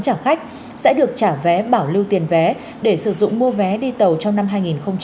trả khách sẽ được trả vé bảo lưu tiền vé để sử dụng mua vé đi tàu trong năm hai nghìn hai mươi bốn